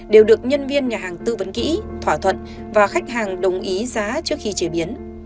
đều được nhân viên nhà hàng tư vấn kỹ thỏa thuận và khách hàng đồng ý giá trước khi chế biến